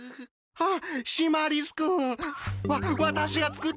あっ？